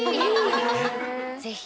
ぜひ。